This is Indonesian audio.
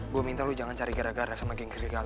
gue minta lo jangan cari gara gara sama geng serigala